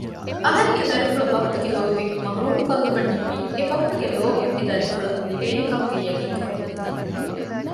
އަހަރެންގެ ދަރިފުޅު ބައްޕަގެ ލޯބިން މަޙުރޫމްކޮށްލުމަށް ނިންމީ އެބައްޕަގެ ލޯބި އެ ދަރިފުޅަށް ލިބޭނެކަމުގެ ޔަޤީންކަމެއް ނެތުމުން